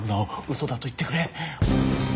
嘘だと言ってくれ！